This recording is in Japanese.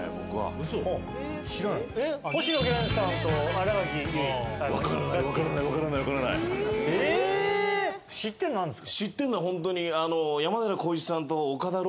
それ知ってるんですか？